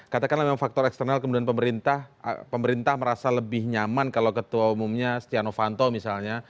katakanlah memang faktor eksternal kemudian pemerintah merasa lebih nyaman kalau ketua umumnya stiano fanto misalnya